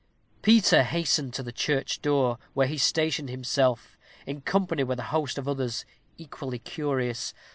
Peter hastened to the church door, where he stationed himself, in company with a host of others, equally curious.